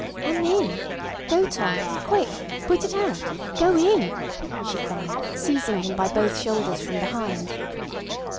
"On me! Go, Tom. Quick! Put it out. ... Go in!" she cried, seizing him by both shoulders from behind.